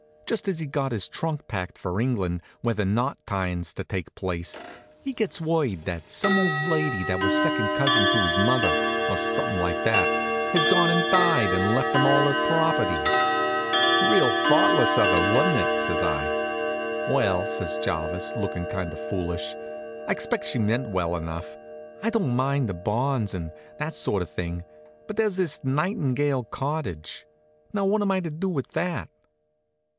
Just as he's got his trunk packed for England, where the knot tyin' is to take place, he gets word that some old lady that was second cousin to his mother, or something like that, has gone and died and left him all her property. "Real thoughtless of her, wa'n't it?" says I. "Well," says Jarvis, lookin' kind of foolish, "I expect she meant well enough. I don't mind the bonds, and that sort of thing, but there's this Nightingale Cottage. Now, what am I to do with that?"